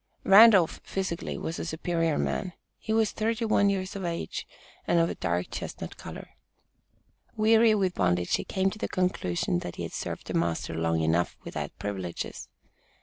Randolph, physically, was a superior man. He was thirty one years of age and of a dark chestnut color. Weary with bondage he came to the conclusion that he had served a master long enough "without privileges."